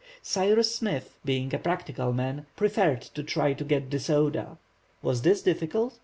Cyrus Smith, being a practical man, preferred to try to get the soda. Was this difficult?